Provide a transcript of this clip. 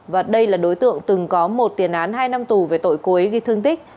và đây là đối tượng từng có một tiền án hai năm tù về tội cối ghi thương tích